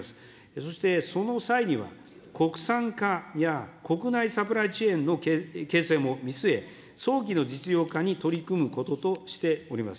そして、その際には、国産化や国内サプライチェーンの形成も見据え、早期の実用化に取り組むこととしております。